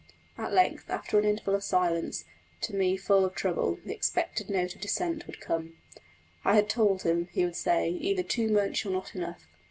At length, after an interval of silence, to me full of trouble, the expected note of dissent would come. I had told him, he would say, either too much or not enough.